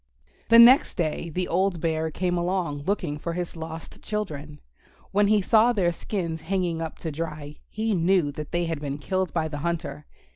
The next day the old Bear came along, looking for his lost children. When he saw their skins hanging up to dry he knew that they had been killed by the hunter.